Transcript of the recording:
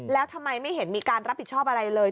แล้วทำไมไม่เห็นมีการรับผิดชอบอะไรเลย